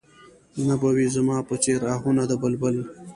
نه به وي زما په څېر اهونه د بلبل